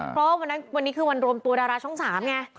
เพราะวันนั้นวันนี้คือวันรวมตัวดาราช่อง๓ไง